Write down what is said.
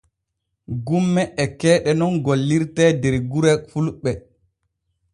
Gumme e keeɗe nun gollirte der gure fulɓe.